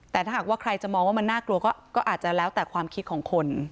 แต่ถ้าหากว่าใครจะมองว่ามันน่ากลัวก็อาจจะแล้วแต่ความคิดของคน